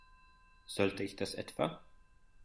Sollte ich das etwa?